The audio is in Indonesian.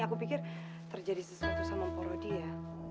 aku pikir terjadi sesuatu sama mpurodi ya